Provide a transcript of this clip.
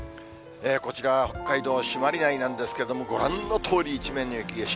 こちら、北海道朱鞠内なんですけれども、ご覧のとおり、一面の雪景色。